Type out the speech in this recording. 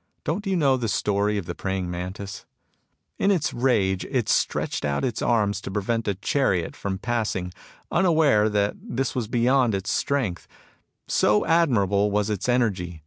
" Don't you know the story of the praying mantis ? Li its rage it stretched out its arms to prevent a chariot from passing, unaware that this was beyond its strength, so admirable was its energy